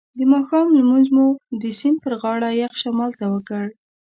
د ماښام لمونځ مو د سیند پر غاړه یخ شمال ته وکړ.